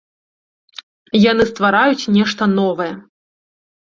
Яны ствараюць нешта новае.